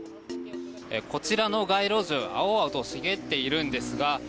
こちらの街路樹は青々と茂っているんですが。